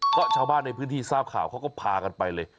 ก็ชาวบ้านในพื้นที่ทราบข่าวเขาก็พากันไปเลย